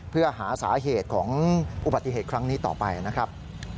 เพื่อหาสาเหตุของอุบัติเหตุครั้งนี้ต่อไปนะครับ